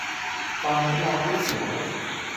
ตอนนี้รอก๋วยเตี๋ยว